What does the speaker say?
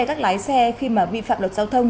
các lái xe khi mà vi phạm luật giao thông